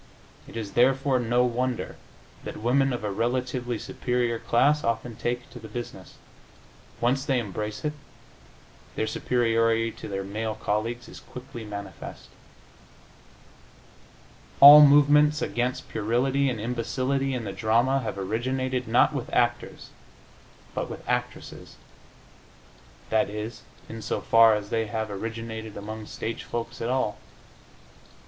It is, therefore, no wonder that women of a relatively superior class often take to the business.... Once they embrace it, their superiority to their male colleagues is quickly manifest. All movements against puerility and imbecility in the drama have originated, not with actors, but with actresses that is, in so far as they have originated among stage folks at all.